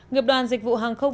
nghiệp đoàn dịch vụ hàng không